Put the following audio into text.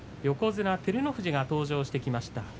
横綱照ノ富士が登場してきました。